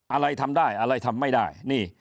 อะไรทำได้อะไรทำไม่ได้นี่